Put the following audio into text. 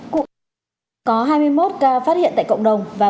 cụm xét nghiệm có hai mươi một ca phát hiện tại cộng đồng